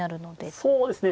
そうですね。